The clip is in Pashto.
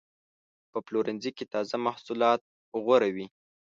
په پلورنځي کې تازه محصولات غوره وي.